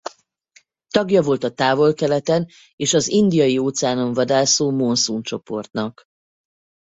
Tagja volt a Távol-Keleten és az Indiai-óceánon vadászó Monszun csoportnak.